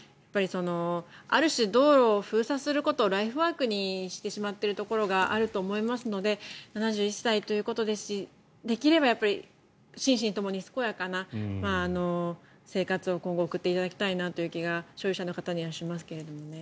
ある種、道路を封鎖することをライフワークにしてしまっているところがあると思いますので７１歳ということですしできれば心身ともに健やかな生活を今後、送っていただきたいなという気が所有者の方にはしますけどね。